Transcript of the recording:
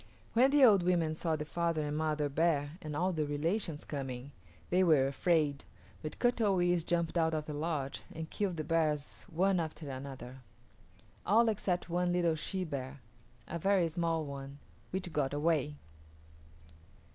When the old women saw the father and mother bear and all their relations coming they were afraid, but Kut o yis´ jumped out of the lodge and killed the bears one after another; all except one little she bear, a very small one, which got away.